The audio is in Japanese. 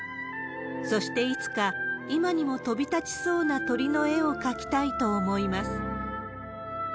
そしていつか、今にも飛び立ちそうな鳥の絵を描きたいと思います。